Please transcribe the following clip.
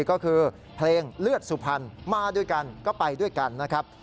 ก็คือเพลงเลือดสุพรรณมาด้วยกันก็ไปด้วยกันนะครับ